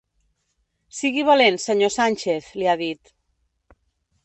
Sigui valent, senyor Sánchez, li ha dit.